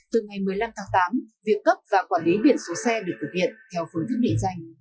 từ ngày một mươi năm tháng tám việc cấp và quản lý biển số xe được thực hiện theo phương thức địa danh